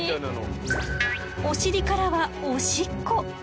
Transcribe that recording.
お尻からはおしっこ！